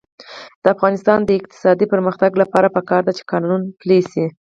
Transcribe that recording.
د افغانستان د اقتصادي پرمختګ لپاره پکار ده چې قانون پلی شي.